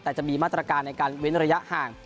แต่จะมีมาตรการในการเว้นระยะห่าง